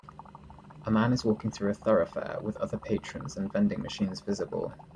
A man is walking through a thoroughfare with other patrons and vending machines visible.